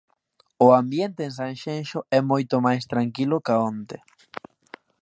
O ambiente en Sanxenxo é moito máis tranquilo ca onte.